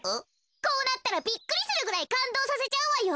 こうなったらびっくりするぐらいかんどうさせちゃうわよ。